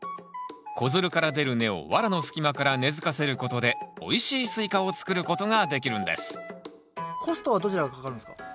子づるから出る根をワラの隙間から根づかせることでおいしいスイカを作ることができるんですコストはどちらがかかるんですか？